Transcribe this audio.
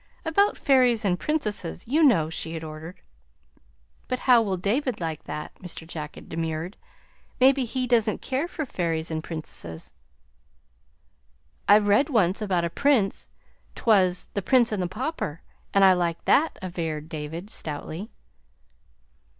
"About fairies and princesses, you know," she had ordered. "But how will David like that?" Mr. Jack had demurred. "Maybe he doesn't care for fairies and princesses." "I read one once about a prince 't was 'The Prince and the Pauper,' and I liked that," averred David stoutly.